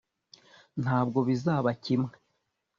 ntabwo bizaba kimwe